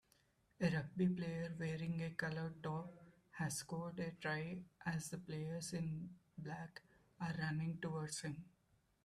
A rugby player wearing a colored top has scored a try as the players in black are running towards him